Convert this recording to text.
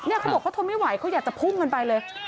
เขาบอกเขาทนไม่ไหวเขาอยากจะพุ่งกันไปเลย